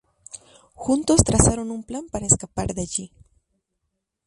Juntos trazaron un plan para escapar de allí.